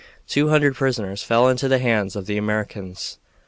Two hundred prisoners fell into the hands of the Americans.